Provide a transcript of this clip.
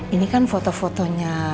ini kan foto fotonya